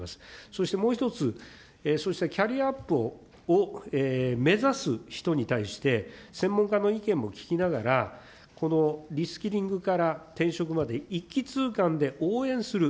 そしてもう１つ、そうしたキャリアアップを目指す人に対して、専門家の意見も聞きながら、このリスキリングから転職まで一気通貫で応援する。